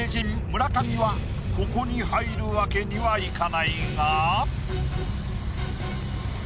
村上はここに入るわけにはいかないが。